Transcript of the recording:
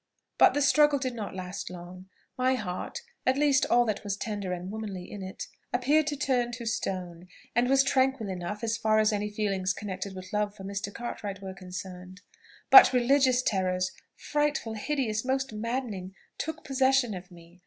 But the struggle did not last long. My heart at least all that was tender and womanly in it appeared to turn to stone, and was tranquil enough as far as any feelings connected with love for Mr. Cartwright were concerned; but religious terrors, frightful, hideous, almost maddening, took possession of me.